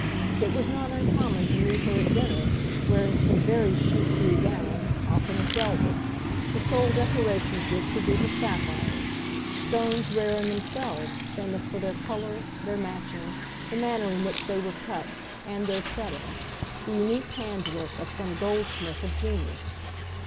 It was not uncommon to meet her at dinner, wearing some very chic blue gown, often of velvet, the sole decoration of which would be her sapphires, stones rare in themselves, famous for their colour, their matching, the manner in which they were cut, and their setting, the unique hand work of some goldsmith of genius.